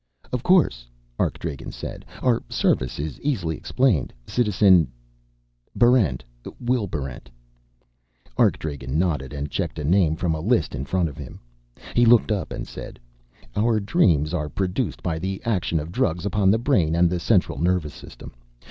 "Of course," Arkdragen said. "Our service is easily explained, Citizen " "Barrent. Will Barrent." Arkdragen nodded and checked a name from a list in front of him. He looked up and said, "Our dreams are produced by the action of drugs upon the brain and the central nervous system.